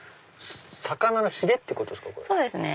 魚のヒレってことですか？